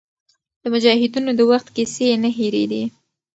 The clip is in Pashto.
د مجاهدینو د وخت کیسې یې نه هېرېدې.